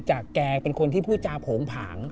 แกเป็นคนที่พูดจาโผงผาง